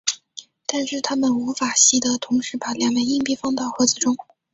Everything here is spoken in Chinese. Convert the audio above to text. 但是它们无法习得同时把两枚硬币放到盒子中。